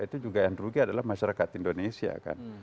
itu juga yang rugi adalah masyarakat indonesia kan